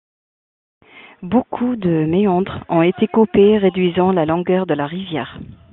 Beaucoup de méandres ont été coupés, réduisant la longueur de la rivière.